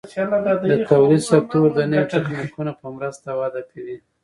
د تولید سکتور د نوي تخنیکونو په مرسته وده کوي.